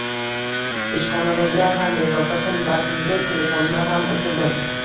Ishxonadagilar ham bezovta qilmasin deb, telefonni ham oʻchirdim